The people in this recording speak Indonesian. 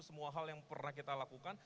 semua hal yang pernah kita lakukan